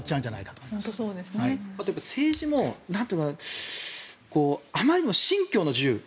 政治もあまりにも信教の自由